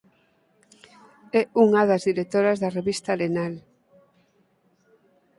É unha das directoras da revista "Arenal.